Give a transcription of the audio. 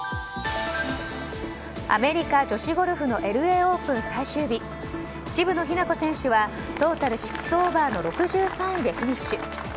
アメリカ女子ゴルフＬＡオープン最終日渋野日向子選手はトータル６オーバーの６３位でフィニッシュ。